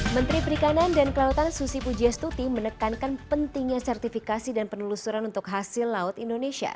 menteri perikanan dan kelautan susi pujiastuti menekankan pentingnya sertifikasi dan penelusuran untuk hasil laut indonesia